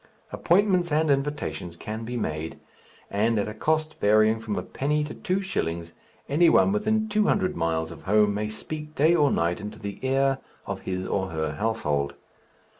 Appointments and invitations can be made; and at a cost varying from a penny to two shillings any one within two hundred miles of home may speak day or night into the ear of his or her household.